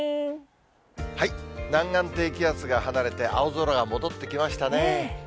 南岸低気圧が離れて、青空が戻ってきましたね。